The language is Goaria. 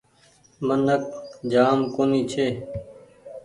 منک جآم ڪونيٚ ڇي۔